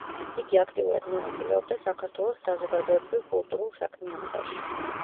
იგი აქტიურად მონაწილეობდა საქართველოს საზოგადოებრივ-კულტურულ საქმიანობაში.